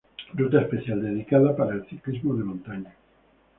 Ruta especial dedicada para el ciclismo de montaña.